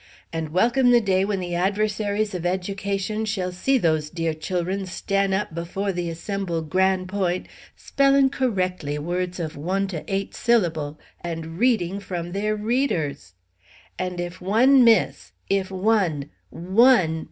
And welcome the day, when the ad_ver_saries of education shall see those dear chil'run stan' up befo' the assem'led Gran' Point' spelling co'ectly words of one to eight syllable' and reading from their readers! And if one miss if one _one!